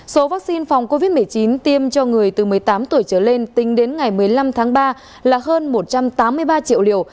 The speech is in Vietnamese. số vaccine phòng covid một mươi chín tiêm cho người từ một mươi tám tuổi trở lên tính đến ngày một mươi năm tháng ba là hơn một trăm tám mươi ba triệu liều